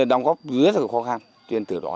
đồng góp rất là khó khăn tuy nhiên từ đó